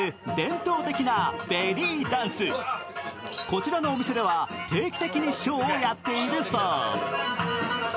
こちらのお店では定期的にショーをやっているそう。